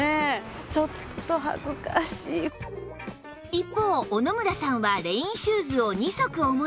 一方小野村さんはレインシューズを２足お持ち